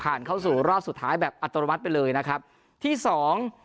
เข้าสู่รอบสุดท้ายแบบอัตรวัตรไปเลยนะครับที่สอง